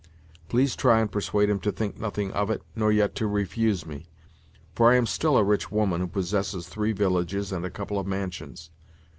Please try and persuade him to think nothing of it, nor yet to refuse me, for I am still a rich woman who possesses three villages and a couple of mansions.